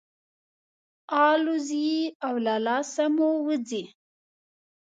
الوزي او له لاسه مو وځي.